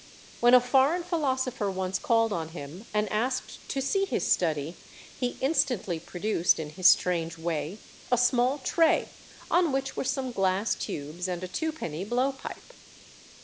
When a foreign philosopher once called on him and asked to see his study, he instantly produced, in his strange way, a small tray, on which were some glass tubes and a twopenny blow pipe.